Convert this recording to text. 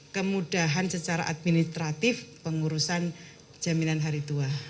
kemudahan secara administratif pengurusan jaminan hari tua